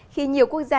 khi nhiều quốc gia